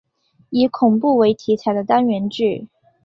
以恐怖为题材的单元剧。